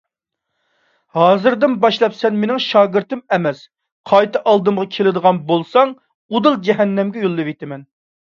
ھازىردىن باشلاپ سەن مېنىڭ شاگىرتىم ئەمەس! قايتا ئالدىمغا كېلىدىغان بولساڭ ئۇدۇل جەھەننەمگە يوللىۋېتىمەن!